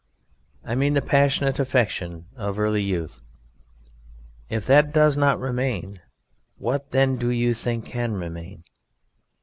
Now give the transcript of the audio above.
I mean the passionate affection of early youth. If that does not remain, what then do you think can remain?